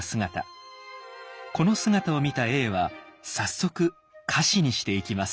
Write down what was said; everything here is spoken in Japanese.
この姿を見た永は早速歌詞にしていきます。